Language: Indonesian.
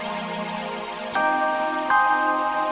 ya nggak diperlukan lagi sarapannya